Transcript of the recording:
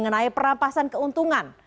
dari perampasan keuntungan